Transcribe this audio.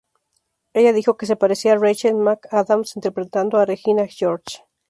Ella dijo que se parecía a Rachel McAdams interpretando a Regina George.